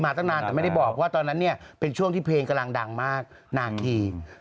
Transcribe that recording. ตั้งนานแต่ไม่ได้บอกว่าตอนนั้นเนี่ยเป็นช่วงที่เพลงกำลังดังมากนานที